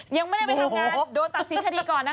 ยังไม่ได้ไปทำงานโดนตัดสินคดีก่อนนะคะ